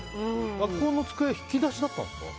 学校の机引き出しだったんですか。